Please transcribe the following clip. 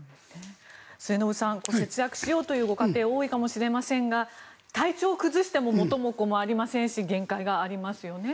末延さん節約しようというご家庭多いかもしれませんが体調を崩しても元も子もありませんし限界がありますよね。